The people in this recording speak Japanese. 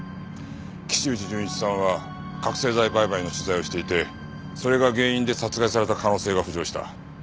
岸内潤一さんは覚せい剤売買の取材をしていてそれが原因で殺害された可能性が浮上した。